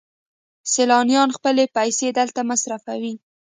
سیلانیان خپلې پیسې دلته مصرفوي.